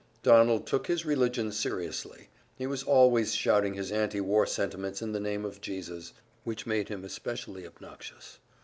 Donald took his religion seriously; he was always shouting his anti war sentiments in the name of Jesus, which made him especially obnoxious.